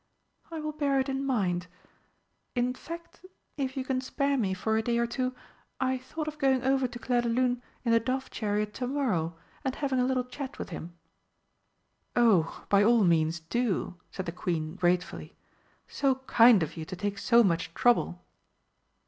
"I will bear it in mind. In fact, if you can spare me for a day or two, I thought of going over to Clairdelune in the dove chariot to morrow and having a little chat with him." "Oh, by all means do!" said the Queen gratefully. "So kind of you to take so much trouble!"